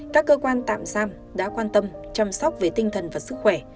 các cơ quan tạm giam đã quan tâm chăm sóc về tinh thần và sức khỏe